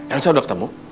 elsa udah ketemu